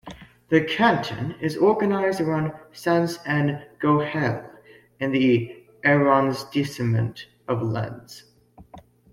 The canton is organised around Sains-en-Gohelle in the arrondissement of Lens.